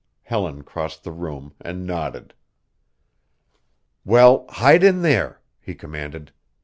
Helen crossed the room and nodded. "Well, hide in there," he commanded.